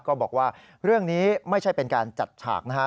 ก็บอกว่าเรื่องนี้ไม่ใช่เป็นการจัดฉากนะฮะ